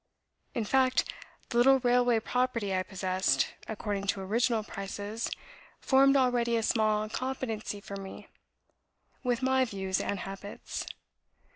In fact, the little railway property I possessed, according to original prices, formed already a small competency for me, with my views and habits.